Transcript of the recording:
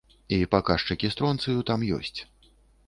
І паказчыкі стронцыю там ёсць.